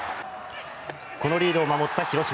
このリードを守った広島。